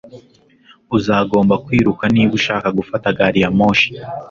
Uzagomba kwiruka niba ushaka gufata gari ya moshi